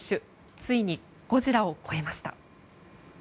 ついにゴジラを超えました。